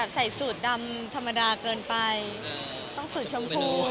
ใส่สูตรดำธรรมดาเกินไปต้องสูตรชมพู